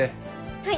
はい。